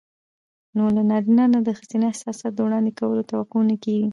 نو له نارينه نه د ښځينه احساساتو د وړاندې کولو توقع نه کېږي.